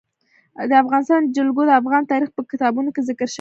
د افغانستان جلکو د افغان تاریخ په کتابونو کې ذکر شوی دي.